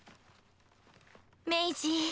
メイジー